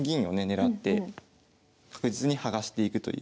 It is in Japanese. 狙って確実に剥がしていくという。